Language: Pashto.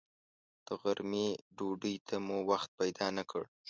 د غرمې ډوډۍ ته مو وخت پیدا نه کړ.